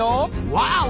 ワオ！